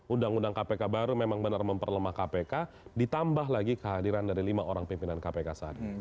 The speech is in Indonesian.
undang undang kpk baru memang benar memperlemah kpk ditambah lagi kehadiran dari lima orang pimpinan kpk saat ini